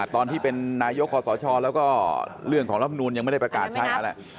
ตอนที่เป็นนายกคอสชแล้วก็เรื่องของรัฐมนูลยังไม่ได้ประกาศใช้อะไร